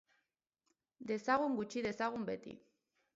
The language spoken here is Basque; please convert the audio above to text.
Dezagun gutxi dezagun beti.